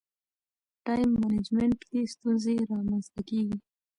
ټایم منجمنټ کې ستونزې رامنځته کېږي.